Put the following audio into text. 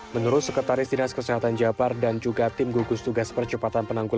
menurut sekretaris dinas kesehatan jawa barat dan juga tim gugus tugas percepatan penangkulan